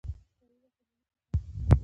تاریخ د خپل ولس د صداقت لامل دی.